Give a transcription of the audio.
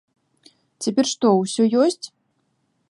Цяпер што, усё ёсць?!